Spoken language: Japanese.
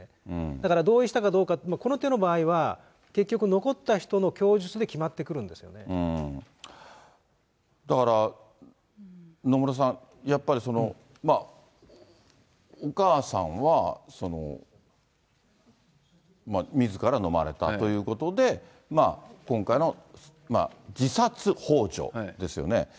だから同意したかどうか、この手の場合は、結局、残った人の供述だから野村さん、やっぱりお母さんは、みずからのまれたということで、今回の自殺ほう助ですよね。